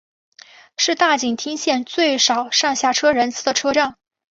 是大井町线最少上下车人次的车站。